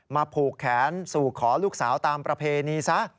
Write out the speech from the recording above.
ผูกแขนสู่ขอลูกสาวตามประเพณีซะ